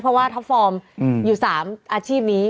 เพราะว่าท็อปฟอร์มอยู่๓อาชีพนี้